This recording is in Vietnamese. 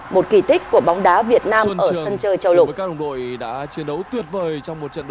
một kỳ tích của bóng đá việt nam ở sân chơi châu lục